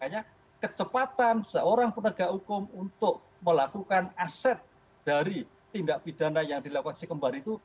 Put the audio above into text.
hanya kecepatan seorang penegak hukum untuk melakukan aset dari tindak pidana yang dilakukan si kembar itu